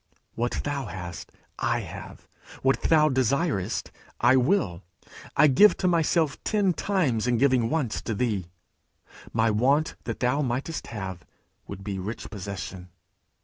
'What thou hast, I have; what thou desirest, I will; I give to myself ten times in giving once to thee. My want that thou mightst have, would be rich possession.'